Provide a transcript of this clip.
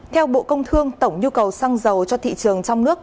theo bộ công thương tổng nhu cầu xăng dầu cho thị trường trong nước